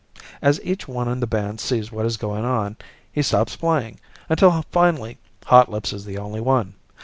As each one in the band sees what is going on, he stops playing, until finally Hotlips is the only one.